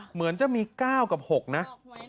เหมือนจะมี๙กับ๖นะ